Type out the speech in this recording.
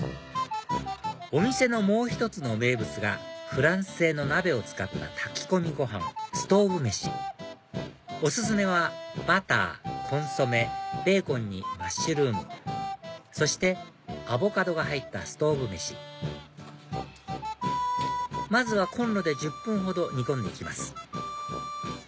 お店のもう１つの名物がフランス製の鍋を使った炊き込みご飯ストウブ飯お薦めはバターコンソメベーコンにマッシュルームそしてアボカドが入ったストウブ飯まずはコンロで１０分ほど煮込んでいきます